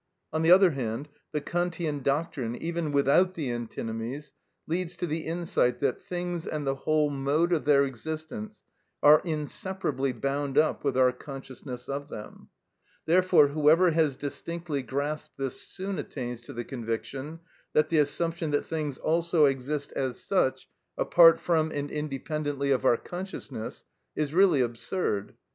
On the other hand, the Kantian doctrine, even without the antinomies, leads to the insight that things and the whole mode of their existence are inseparably bound up with our consciousness of them. Therefore whoever has distinctly grasped this soon attains to the conviction that the assumption that things also exist as such, apart from and independently of our consciousness, is really absurd.